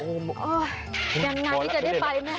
ยังไงจะได้ไปนะ